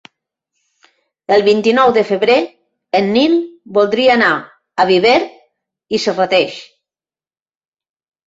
El vint-i-nou de febrer en Nil voldria anar a Viver i Serrateix.